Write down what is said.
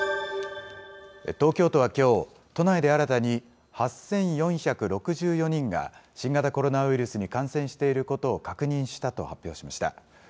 東京都はきょう、都内で新たに８４６４人が、新型コロナウイルスに感染していることを確認したと発表しました。